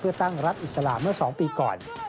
เพื่อตั้งรัฐอิสระเมื่อ๒ปีก่อน